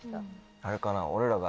あれかな俺らが。